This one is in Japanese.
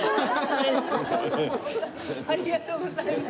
ありがとうございます。